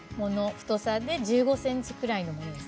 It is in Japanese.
太さで１５ｃｍくらいのものです。